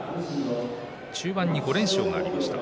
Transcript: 中盤に５連勝がありました。